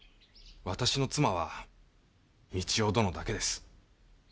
私の妻は三千代殿だけです。